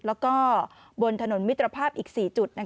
แล้วก็บนถนนมิตรภาพอีก๔จุด